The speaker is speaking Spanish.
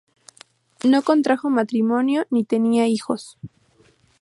No contrajo matrimonio ni tenía hijos.